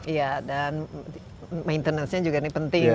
iya dan maintenance nya juga ini penting ya